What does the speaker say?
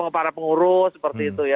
para pengurus seperti itu ya